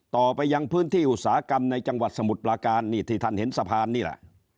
ต่อไปยังพื้นที่อุตสาหกรรมในจังหวัดสมุทรปลาการนี่ที่ท่านเห็นสะพานนี่แหละ